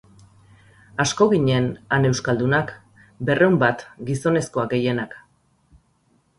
Asko ginen han euskaldunak, berrehunen bat, gizonezkoak gehienak.